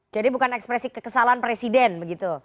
jadi bukan ekspresi kekesalan presiden begitu